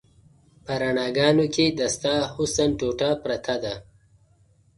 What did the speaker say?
په رڼاګانو کې د ستا حسن ټوټه پرته ده